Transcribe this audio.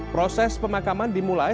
proses pemakaman dimulai